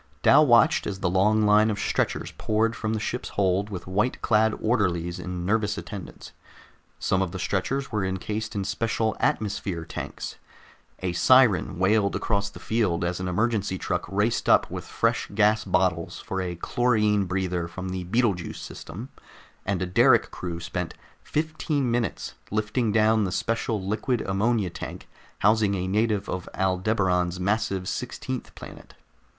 Dal watched as the long line of stretchers poured from the ship's hold with white clad orderlies in nervous attendance. Some of the stretchers were encased in special atmosphere tanks; a siren wailed across the field as an emergency truck raced up with fresh gas bottles for a chlorine breather from the Betelgeuse system, and a derrick crew spent fifteen minutes lifting down the special liquid ammonia tank housing a native of Aldebaran's massive sixteenth planet.